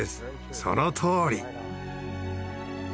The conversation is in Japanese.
そのとおり。